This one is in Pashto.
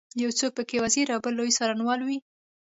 یو څوک په کې وزیر او بل لوی څارنوال وي.